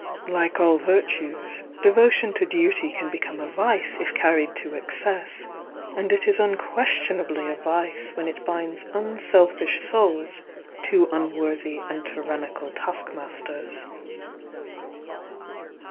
Like all virtues, devotion to duty can become a vice if carried to excess, and it is un questionably a vice when it binds unselfish souls to unworthy and tyrannical taskmasters.